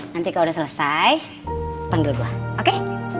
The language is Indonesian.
nanti kalau udah selesai panggil gue oke